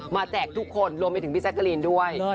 แจกทุกคนรวมไปถึงพี่แจ๊กกะรีนด้วย